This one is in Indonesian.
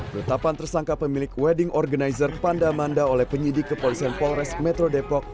penetapan tersangka pemilik wedding organizer pandamanda oleh penyidik kepolisian polres metro depok